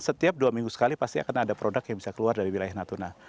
setiap dua minggu sekali pasti akan ada produk yang bisa keluar dari wilayah natuna